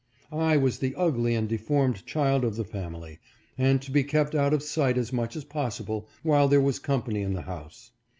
I was the ugly and deformed child of the family, and to be kept out of sight as much as possible while there was company in the house.